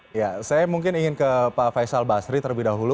saya mungkin ingin ke pak faisal basri terlebih dahulu